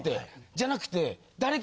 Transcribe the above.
じゃなくて。